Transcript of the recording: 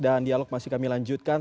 dan dialog masih kami lanjutkan